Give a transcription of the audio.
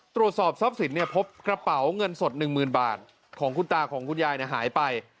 ตรวจสอบทรัพย์สินเนี้ยพบกระเป๋าเงินสดหนึ่งหมื่นบาทของคุณตาของคุณยายเนี้ยหายไป